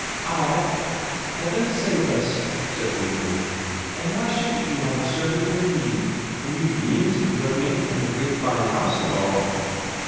"Ay, Heaven save us," said Oline, "and why shouldn't you have a servant indeed, when you've means and learning and a great fine house and all!"